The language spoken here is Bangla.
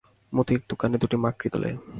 মতির দুকানে দুটি মাকড়ি দোলে।